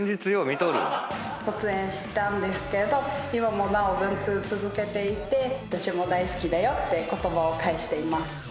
卒園したんですけど今もなお文通続けていて私も大好きだよって言葉を返しています。